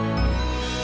yang sudah dari responded